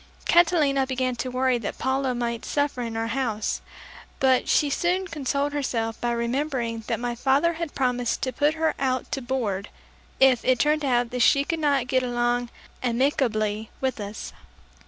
Catalina began to worry that Paula might suffer in our house, but she soon consoled herself by remembering that my father had promised to put her out to board, if it turned out that she could not get along amicably with us.